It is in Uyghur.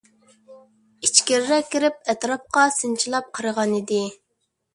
ئىچكىرىرەك كىرىپ ئەتراپقا سىنچىلاپ قارىغانىدى.